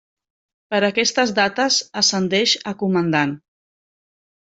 Per aquestes dates ascendeix a comandant.